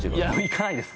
「行かない」です。